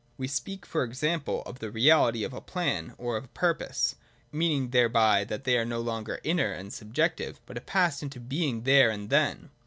We speak, for example, of the reality of a plan or a purpose, meaning thereby that they are no longer inner and subjective, but have passed into being there and then.